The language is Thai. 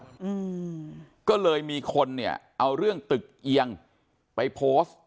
อืมก็เลยมีคนเนี่ยเอาเรื่องตึกเอียงไปโพสต์